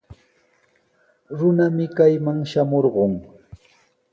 Runami kayman shamurqun.